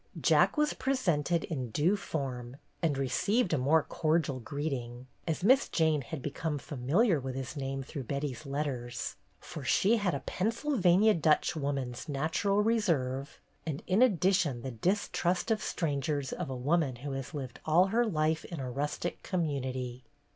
Jack was presented in due form and re ceived a more cordial greeting, as Miss Jane had become familiar with his name through Betty's letters, for she had a "Pennsylva nia Dutch" woman's natural reserve, and in addition the distrust of strangers of a woman who has lived all her life in a rustic community.